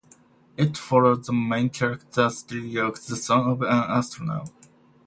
It follows the main character Steve York, the son of an astronaut.